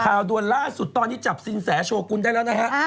ด่วนล่าสุดตอนนี้จับสินแสโชกุลได้แล้วนะฮะ